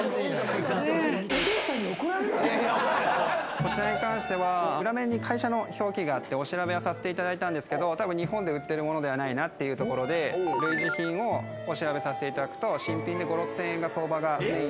こちらに関しては裏面に会社の表記があってお調べはさせていただいたんですけどたぶん日本で売ってるものではないなっていうところで類似品をお調べさせていただくと新品で５，０００６，０００円が相場。